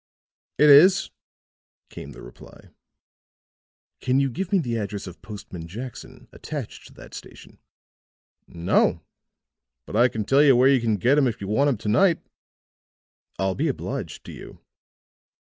"It is," came the reply. "Can you give me the address of Postman Jackson, attached to that station?" "No. But I can tell you where you can get him if you want him to night." "I'll be obliged to you."